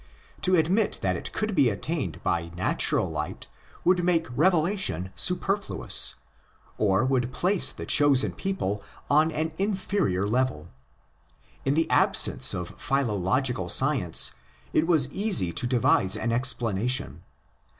To admit that it could be attained by natural light would make revelation superfluous, or would place the chosen people on an inferior level. In the absence of philological science, it was easy to devise an explanation.